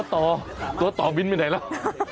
โตต่อต่อต่อมิ้นมาไหนแล้ว